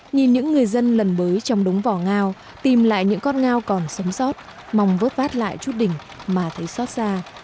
nhìn những người dân lần mới trong đống vỏ ngao tìm lại những con ngao còn sống sót mong vớt vát lại chút đỉnh mà thấy sót ra